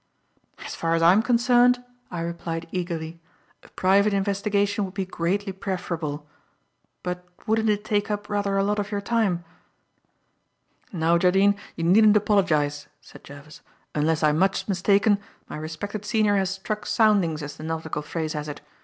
"As far as I am concerned," I replied eagerly, "a private investigation would be greatly preferable. But wouldn't it take up rather a lot of your time?" "Now, Jardine, you needn't apologize," said Jervis. "Unless I am much mistaken, my respected senior has 'struck soundings,' as the nautical phrase has it.